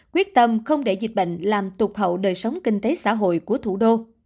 quyết tâm không để dịch bệnh làm tục hậu đời sống kinh tế xã hội của thủ đô